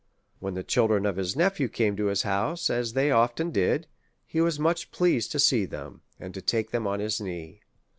When the children of his nephew came to his house, as they often did, he was much pleased to see them, and to take them on his knee.